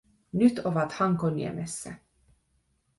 Nyt ovat Hankoniemessä.